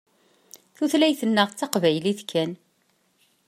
Tutlayt-nneɣ d taqbaylit kan.